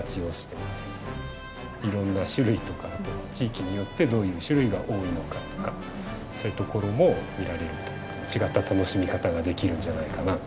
いろんな種類とかあと地域によってどういう種類が多いのかとかそういうところも見られると違った楽しみ方ができるんじゃないかなと思います。